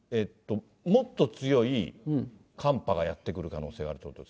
このあたりはもっと強い寒波がやって来る可能性があるっていうこ